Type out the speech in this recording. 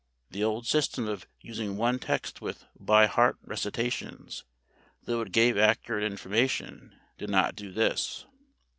The old system of using one text with "by heart" recitations, though it gave accurate information, did not do this.